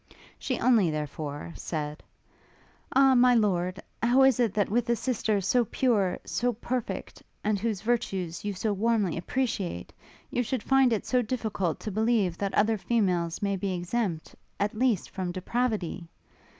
She only, therefore, said, 'Ah, my lord, how is it that with a sister so pure, so perfect, and whose virtues you so warmly appreciate, you should find it so difficult to believe that other females may be exempt, at least, from depravity?